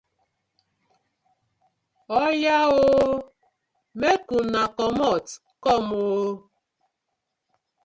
Oya ooo!! Mek una komot kom oo!